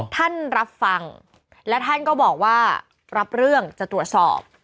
รับฟังและท่านก็บอกว่ารับเรื่องจะตรวจสอบ